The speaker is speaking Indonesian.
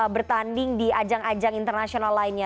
bertanding di ajang ajang internasional lainnya